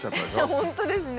本当ですね。